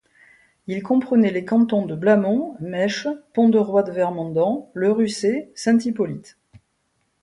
Il comprenait les cantons de Blamont, Maîche, Pont-de-Roide-Vermondans, le Russey, Saint-Hippolyte.